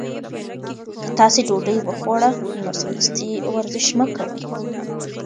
که تاسي ډوډۍ وخوړه نو سمدستي ورزش مه کوئ.